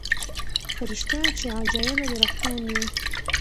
په ریشتیا چي عجایبه د رحمان یې